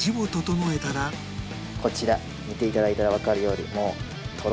こちら見ていただいたらわかるように。